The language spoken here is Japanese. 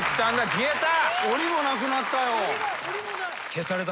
消えた。